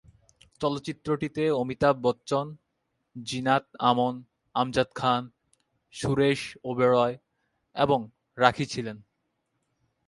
চলচ্চিত্রটিতে অমিতাভ বচ্চন, জিনাত আমন, আমজাদ খান, সুরেশ ওবেরয়, এবং রাখী ছিলেন।